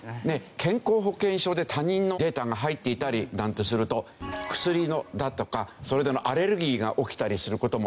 健康保険証で他人のデータが入っていたりなんてすると薬だとかそれでアレルギーが起きたりする事もありますよね。